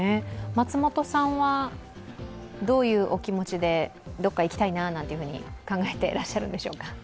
松本さんは、どういうお気持ちで、どこか行きたいななんて考えていらっしゃるんでしょうか。